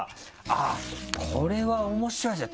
あっこれは面白いですね！